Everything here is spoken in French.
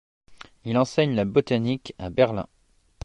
Il enseigne la botanique à Berlin.